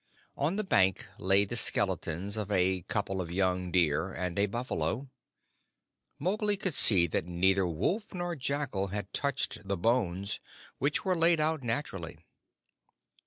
On the bank lay the skeletons of a couple of young deer and a buffalo. Mowgli could see that neither wolf nor jackal had touched the bones, which were laid out naturally.